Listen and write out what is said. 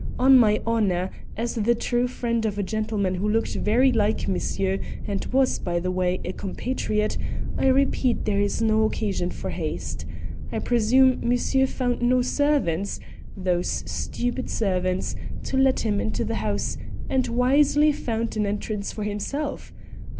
On my honour, as the true friend of a gentleman who looked very like monsieur, and was, by the way, a compatriot, I repeat there is no occasion for haste. I presume monsieur found no servants those stupid servants! to let him into the house, and wisely found an entrance for himself?